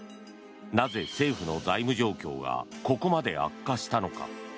なぜ政府の財務状況がここまで悪化したのか。